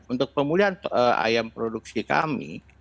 untuk pemulihan ayam produksi kami